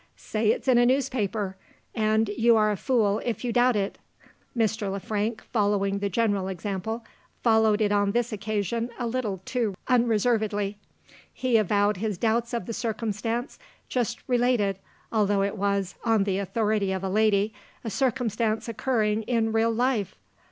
Say it's in a newspaper and you are a fool if you doubt it. Mr. Le Frank, following the general example, followed it on this occasion a little too unreservedly. He avowed his doubts of the circumstance just related, although it was, on the authority of a lady, a circumstance occurring in real life!